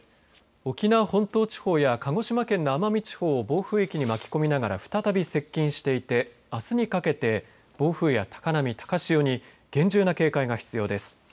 沖縄本島地方や鹿児島県の奄美地方を暴風域に巻き込みながら再び接近していてあすにかけて暴風や高波高潮に厳重な警戒が必要です。